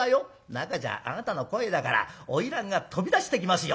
なかじゃあなたの声だから花魁が飛び出してきますよ。